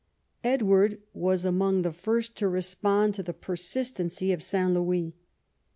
Edward was among the first to respond to the per sistency of St. Loiiis.